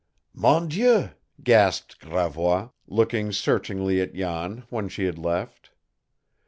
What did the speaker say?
"Mon Dieu!" gasped Gravois, looking searchingly at Jan, when she had left.